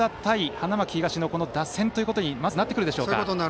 花巻東の打線ということにまずなってくるでしょうか。